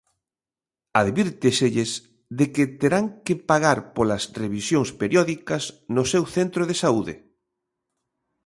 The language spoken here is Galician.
Advírteselles de que terán que pagar polas revisións periódicas no seu centro de saúde.